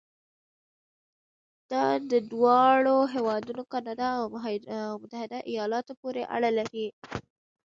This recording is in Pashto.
دا د دواړو هېوادونو کانادا او متحده ایالاتو پورې اړه لري.